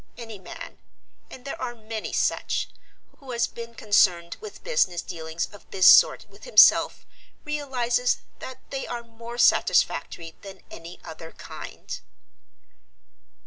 Any man and there are many such who has been concerned with business dealings of this sort with himself realizes that they are more satisfactory than any other kind.